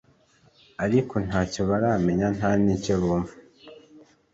Ariko nta cyo baramenya nta n’icyo bumva